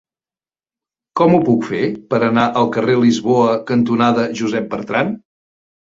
Com ho puc fer per anar al carrer Lisboa cantonada Josep Bertrand?